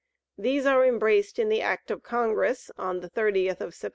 These are embraced in the act of Congress, on the 30th of Sept.